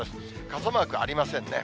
傘マークありませんね。